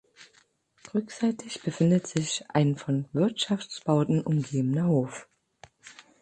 Rückseitig befindet sich ein von Wirtschaftsbauten umgebener Hof.